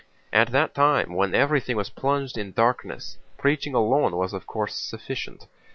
"At that time, when everything was plunged in darkness, preaching alone was of course sufficient.